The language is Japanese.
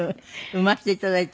産ませて頂いた？